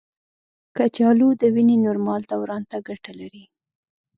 کچالو د وینې نورمال دوران ته ګټه لري.